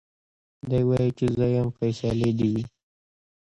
دی وايي چي زه يم فيصلې دي وي